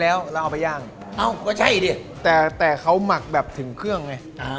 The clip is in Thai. เพลิงชื่อครับอย่างมึงครับ